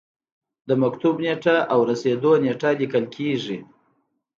د مکتوب نیټه او رسیدو نیټه لیکل کیږي.